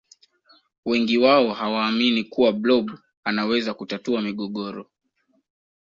wengi wao hawaamini kuwa blob anaweza kutatua migogoro